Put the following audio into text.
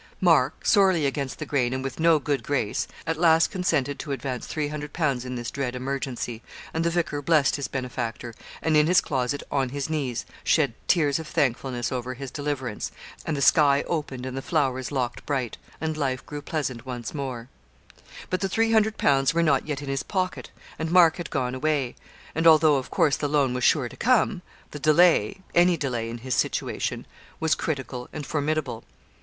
Mark, sorely against the grain, and with no good grace, at last consented to advance £300 in this dread emergency, and the vicar blessed his benefactor, and in his closet on his knees, shed tears of thankfulness over his deliverance, and the sky opened and the flowers locked bright, and life grew pleasant once more. But the £300 were not yet in his pocket, and Mark had gone away; and although of course the loan was sure to come, the delay any delay in his situation was critical and formidable.